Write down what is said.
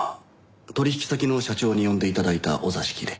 取引先の社長に呼んで頂いたお座敷で。